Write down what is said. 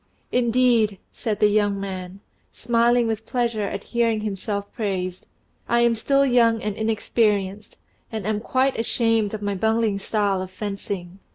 "Indeed," said the young man, smiling with pleasure at hearing himself praised; "I am still young and inexperienced, and am quite ashamed of my bungling style of fencing."